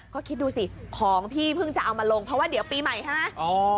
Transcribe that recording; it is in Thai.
ก็คิดดูสิของพี่เพิ่งจะเอามาลงเพราะว่าเดี๋ยวปีใหม่ใช่ไหม